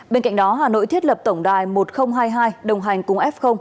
bên cạnh đó hà nội thiết lập tổng đài một nghìn hai mươi hai đồng hành cùng f